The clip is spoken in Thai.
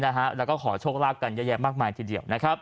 แล้วก็ขอโชคลาภกันเยอะแยะมากมายทีเดียวนะครับ